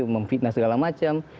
memfitnah segala macam